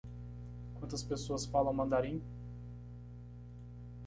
Quantas pessoas falam mandarim?